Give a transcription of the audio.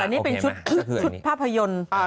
นี่เป็นชุดภาพยนตร์